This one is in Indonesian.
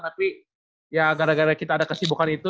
tapi ya gara gara kita ada kesibukan itu